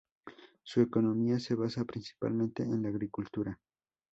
Su economía se basa principalmente en la agricultura.